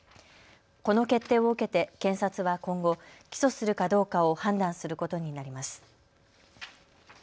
この決定を受けて検察は今後、起訴するかどうかを判断することになります。